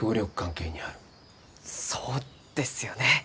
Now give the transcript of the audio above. そうですよね。